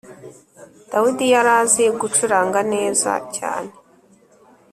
Dawidi yari azi gucuranga neza cyane.